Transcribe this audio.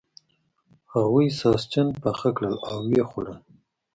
هغوی ساسچن پاخه کړل او و یې خوړل.